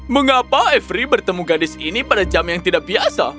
mengapa every bertemu gadis ini pada jam yang tidak biasa